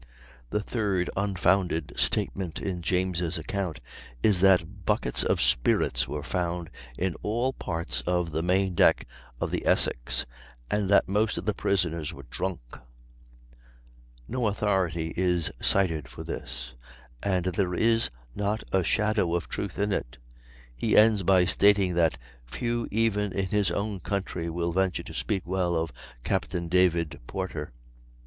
The third unfounded statement in James' account is that buckets of spirits were found in all parts of the main deck of the Essex, and that most of the prisoners were drunk. No authority is cited for this, and there is not a shadow of truth in it. He ends by stating that "few even in his own country will venture to speak well of Captain David Porter."